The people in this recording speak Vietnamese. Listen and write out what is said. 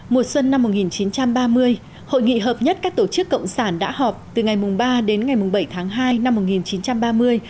mùa xuân năm một nghìn chín trăm ba mươi hội nghị hợp nhất các tổ chức cộng sản đã họp từ ngày ba đến ngày bảy tháng hai năm một nghìn chín trăm ba mươi